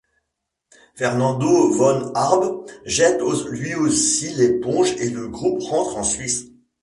Fernando Von Arb jette lui aussi l'éponge et le groupe rentre en Suisse.